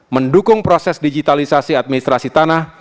mendukung proses digitalisasi administrasi tanah